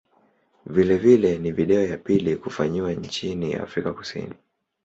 Vilevile ni video ya pili kufanyiwa nchini Afrika Kusini.